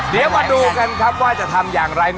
เดี๋ยวมาดูกันครับว่าจะทำอย่างไร